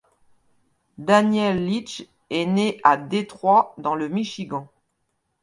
Daniel Licht est né à Detroit dans le Michigan.